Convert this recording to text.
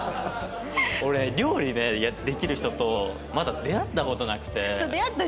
俺料理ねできる人とまだ出会った事なくて。